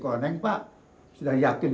malah bukan apa yang perempuan bilang saya